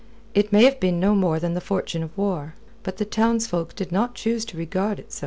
It may have been no more than the fortune of war. But the townsfolk did not choose so to regard it.